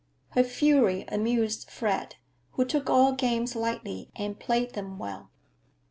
Her fury amused Fred, who took all games lightly and played them well.